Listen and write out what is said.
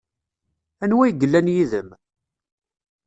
Anwa ay yellan yid-m?